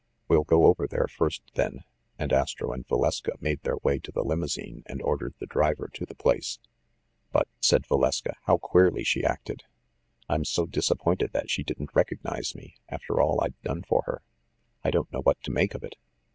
182 THE MASTER OF MYSTERIES "We'll go over there first, then." And Astro and Valeska made their way to the limousine and ordered the driver to the place. "But," said Valeska, "how queerly she acted! I'm so disappointed that she didn't recognize me, after all I'd done for her. I don't know what to make of it."